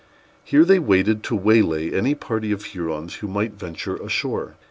Here they waited to waylay any party of Hurons who might venture ashore.